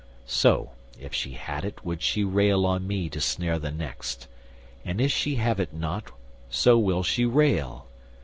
So, if she had it, would she rail on me To snare the next, and if she have it not So will she rail.